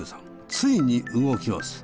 ついに動きます。